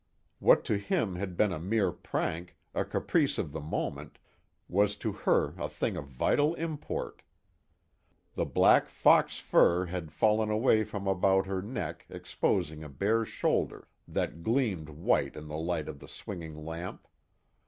What to him had been a mere prank, a caprice of the moment, was to her a thing of vital import. The black fox fur had fallen away from about her neck exposing a bare shoulder that gleamed white in the light of the swinging lamp.